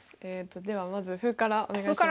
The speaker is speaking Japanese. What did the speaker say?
ではまず歩からお願いします。